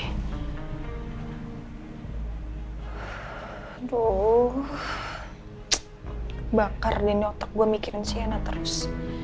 aduh bakar di otak gue mikirin sienna terus